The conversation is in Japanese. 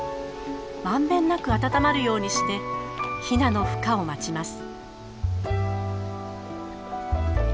満遍なく温まるようにしてヒナのふ化を待ちます。